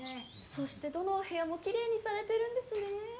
そしてどのお部屋もキレイにされてるんですね